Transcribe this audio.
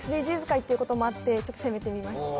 回っていうこともあってちょっと攻めてみました